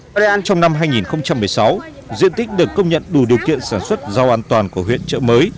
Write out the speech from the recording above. qua đây ăn trong năm hai nghìn một mươi sáu diện tích được công nhận đủ điều kiện sản xuất rau an toàn của huyện chợ mới